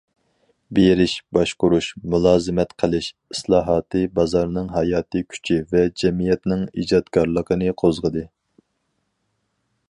« بېرىش، باشقۇرۇش، مۇلازىمەت قىلىش» ئىسلاھاتى بازارنىڭ ھاياتىي كۈچى ۋە جەمئىيەتنىڭ ئىجادكارلىقىنى قوزغىدى.